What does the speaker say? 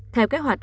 theo kế hoạch